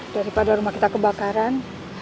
daripada rumah kita kebakaran